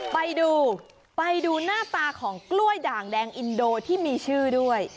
ไปดูไปดูหน้าตาของกล้วยด่างแดงอินโดที่มีชื่อด้วย